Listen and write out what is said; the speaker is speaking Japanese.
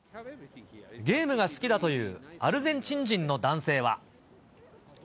ゲームが好きだというアルゼンチン人の男性は。